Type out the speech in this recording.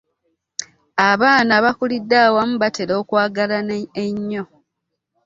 Abaana abakulidde awamu batera okwagalana ennyo.